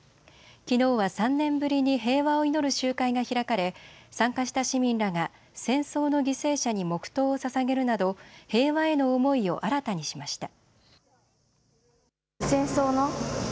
きのうは３年ぶりに平和を祈る集会が開かれ参加した市民らが戦争の犠牲者に黙とうをささげるなど平和への思いを新たにしました。